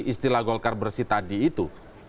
istilah golkar bersih tadi itu